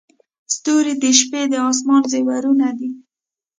• ستوري د شپې د اسمان زیورونه دي.